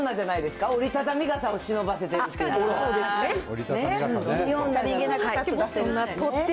折りたたみ傘をしのばせてるって。